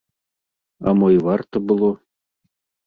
А мо і варта было?